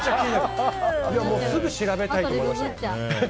すぐ調べたいと思いました。